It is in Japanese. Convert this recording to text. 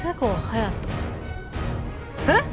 えっ？